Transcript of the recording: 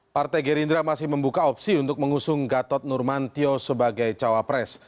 partai gerindra masih membuka opsi untuk mengusung gatot nurmantio sebagai cawapres